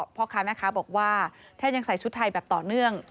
พ่อค้าแม่ค้าบอกว่าแทบยังใส่ชุดไทยแบบต่อเนื่อง